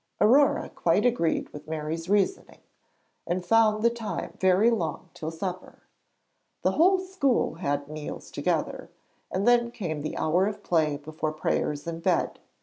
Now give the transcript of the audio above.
Aurore quite agreed with Mary's reasoning, and found the time very long till supper. The whole school had meals together, and then came the hour of play before prayers and bed.